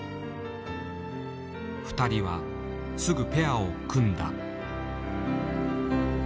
２人はすぐペアを組んだ。